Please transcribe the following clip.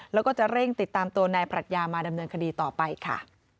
แล้วก็จะเร่งติดตามตัวนายปรัชญามาดำเนินคดีต่อไปค่ะ